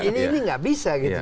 ini tidak bisa gitu